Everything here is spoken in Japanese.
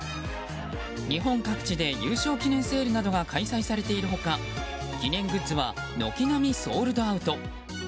日本各地で優勝記念セールなどが開催されている他記念グッズは軒並みソールドアウト。